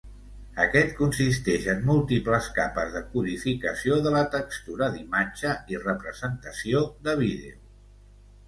Aquest consisteix en múltiples capes de codificació de la textura d'imatge i representació de vídeo.